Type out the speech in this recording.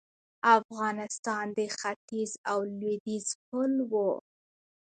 افغانستان د ختیځ او لویدیځ پل و